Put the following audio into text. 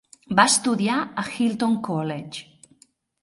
Va estudiar a Hilton College.